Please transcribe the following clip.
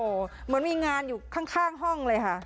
เหมือนมีงานอยู่ข้างห้องเลยค่ะ